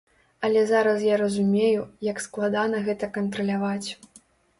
Але зараз я разумею, як складана гэта кантраляваць.